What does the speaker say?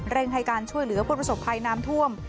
เร่งให้การช่วยเหลือประสบภัยน้ำถ้วม